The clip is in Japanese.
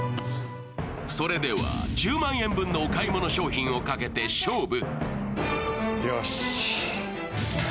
それでは、１０万円分のお買い物商品をかけて勝負。